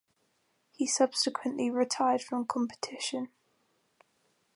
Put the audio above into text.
He subsequently retired from competition.